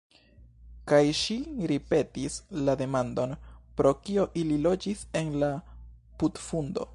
Kaj ŝi ripetis la demandon: "Pro kio ili loĝis en la putfundo?"